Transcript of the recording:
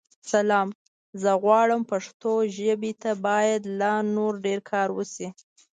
سلام؛ زه غواړم پښتو ژابې ته بايد لا نور ډير کار وشې.